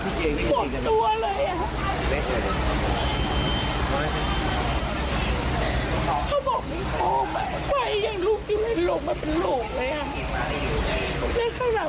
ถึงของเหลือก็เป็นน้ำหมดแล้วใช้ไม่ได้หมดแล้ว